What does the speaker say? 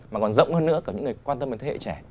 mà còn rộng hơn nữa cả những người quan tâm đến thế hệ trẻ